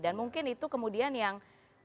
dan mungkin itu kemudian yang